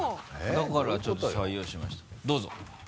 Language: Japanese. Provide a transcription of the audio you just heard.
だからちょっと採用しましたどうぞ。